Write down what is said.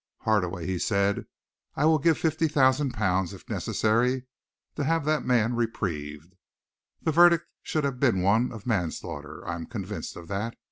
"Hardaway," he said, "I will give fifty thousand pounds, if necessary, to have that man reprieved. The verdict should have been one of manslaughter. I am convinced of that.